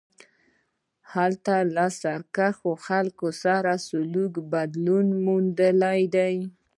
هلته له سرکښو خلکو سره سلوک بدلون موندلی دی.